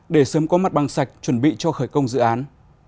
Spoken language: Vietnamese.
để sớm có mặt bằng sạch chuẩn bị cho khởi công dự án